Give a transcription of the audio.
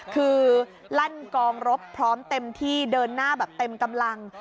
คือลั่นกองรบพร้อมเต็มที่เดินหน้าแบบเต็มกำลัง